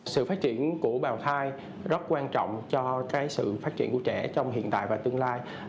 sự phát triển của bào thai rất quan trọng cho sự phát triển của trẻ trong hiện tại và tương lai